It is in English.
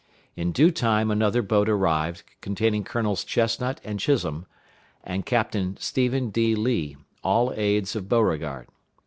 In due time another boat arrived, containing Colonels Chestnut and Chisholm, and Captain Stephen D. Lee, all aids of Beauregard.